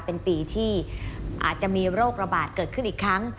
เป็นปีที่อาจจะมีโรคระบาดเกิดขึ้นอีกครั้ง